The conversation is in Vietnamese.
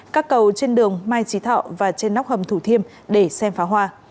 các cầu trên đường mai trí thọ và trên nóc hầm thủ thiêm để xem phá hoa